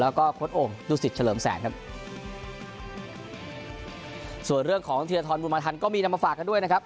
แล้วก็โค้ดโอ่งดูสิตเฉลิมแสนครับส่วนเรื่องของธีรทรบุญมาทันก็มีนำมาฝากกันด้วยนะครับ